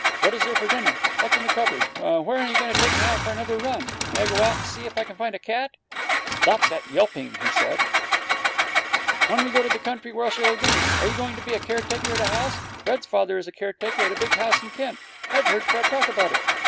What is there for dinner? What's in that cupboard? When are you going to take me out for another run? May I go out and see if I can find a cat?' 'Stop that yelping,' he said. 'When we go to the country, where shall we live? Are you going to be a caretaker at a house? Fred's father is a caretaker at a big house in Kent. I've heard Fred talk about it.